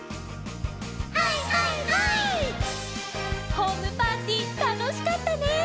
ホームパーティーたのしかったね。